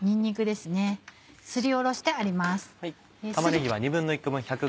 すりおろしてあります。